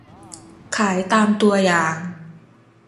ขายตามตัวอย่าง